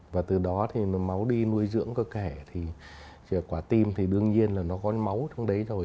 và từ đó thì máu đi nuôi dưỡng cơ kẻ thì quả tim thì đương nhiên là nó có máu trong đấy rồi